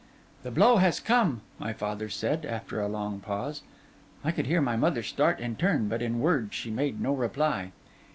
'The blow has come,' my father said, after a long pause. I could hear my mother start and turn, but in words she made no reply.